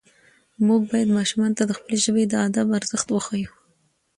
موږ باید ماشومانو ته د خپلې ژبې د ادب ارزښت وښیو